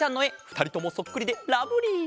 ふたりともそっくりでラブリー！